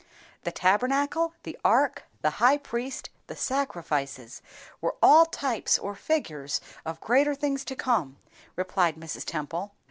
"The Tabernacle, the ark, the high priest, the sacrifices were all TYPES or figures of greater things to come," replied Mrs. Temple.